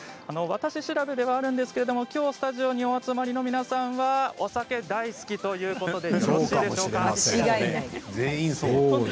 私調べではあるんですけれどもきょうスタジオにお集まりの皆さんはお酒大好きということで間違いない。